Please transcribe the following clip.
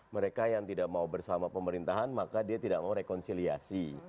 mereka yang tidak mau bersama pemerintahan maka dia tidak mau rekonsiliasi